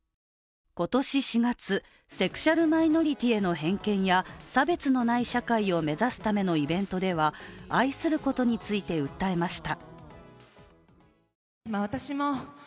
今年４月、セクシュアル・マイノリティーへの偏見や差別のない社会を目指すためのイベントでは愛することについて訴えました。